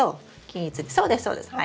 そうですそうです。